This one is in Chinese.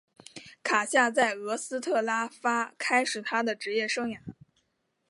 卡夏在俄斯特拉发开始他的职业生涯。